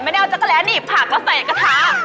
ไม่ได้เอาจักรแร้หนีบผักแล้วใส่กระทะ